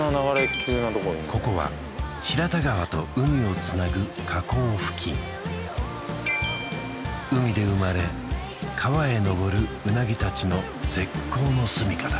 急なとこにここは白田川と海をつなぐ河口付近海で生まれ川へ上るうなぎたちの絶好のすみかだ